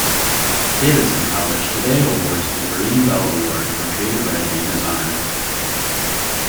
Davidson College today awards the Vereen Bell Award for creative writing in his honor.